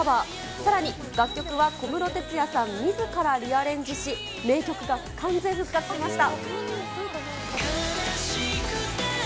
さらに楽曲は小室哲哉さんみずからリアレンジし、名曲が完全復活しました。